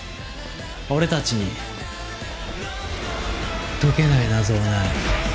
俺たちに解けない謎はない。